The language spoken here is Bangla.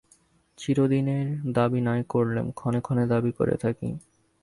চিরদিনের দাবি নাই করলেম, ক্ষণে ক্ষণে দাবি করে থাকি।